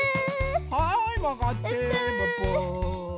はいまがってブッブー。